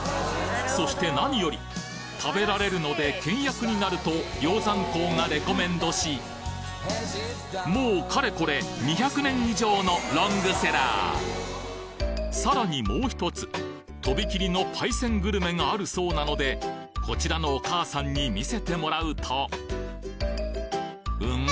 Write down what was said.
そして何より食べられるので倹約になると鷹山公がレコメンドしもうかれこれ２００年以上のロングセラーさらにもう１つとびきりのパイセングルメがあるそうなのでこちらのお母さんに見せてもらうとん？